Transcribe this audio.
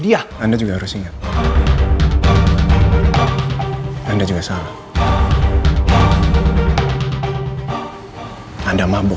bunga yang gak ada di gerbang lu